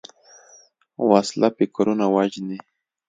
وسله فکرونه وژني